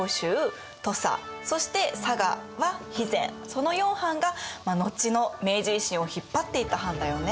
その４藩が後の明治維新を引っ張っていた藩だよね。